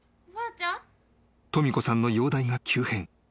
［とみ子さんの容体が急変］